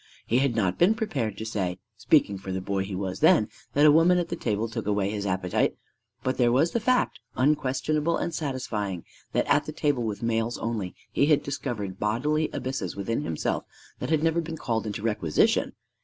He had not been prepared to say speaking for the boy he then was that a woman at the table took away his appetite; but there was the fact, unquestionable and satisfying, that at the table with males only he had discovered bodily abysses within himself that had never been called into requisition!